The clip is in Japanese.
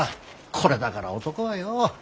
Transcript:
これだから男はよお！